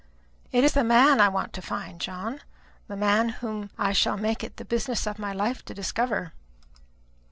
"It is the man I want to find, John; the man whom I shall make it the business of my life to discover."